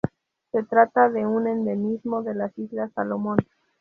Se trata de un endemismo de las Islas Salomón.